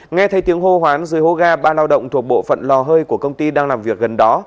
nghe thấy tiếng hô hoán dưới hố ga ba lao động thuộc bộ phận lò hơi của công ty đang làm việc gần đó